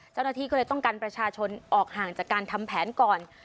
เจ้าหน้าที่ก็เลยต้องกันประชาชนออกห่างจากการทำแผนก่อน